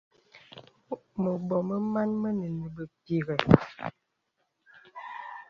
Mə̀bɔ̀ mə màn mə nə́ nə̀ bèpìghə̀.